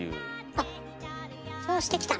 あっそうしてきたの？